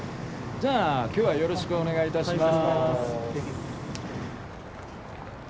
じゃあ今日はよろしくお願いいたします。